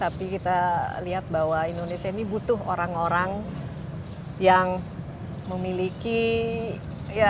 tapi kita lihat bahwa indonesia ini butuh orang orang yang memiliki ya